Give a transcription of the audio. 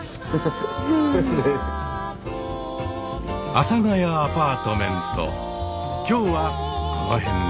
「阿佐ヶ谷アパートメント」今日はこのへんで。